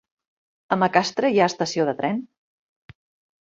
A Macastre hi ha estació de tren?